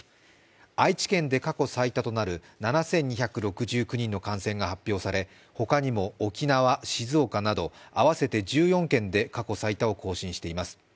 愛知県で過去最多となる７２６９人の感染が発表され他にも沖縄、静岡など合わせて１４県で過去最多を更新しています。